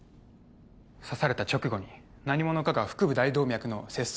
刺された直後に何者かが腹部大動脈の切創